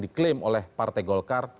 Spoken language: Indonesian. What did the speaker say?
diklaim oleh partai golkar